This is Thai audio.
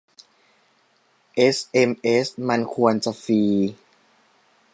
เอสเอ็มเอสมันควรจะฟรี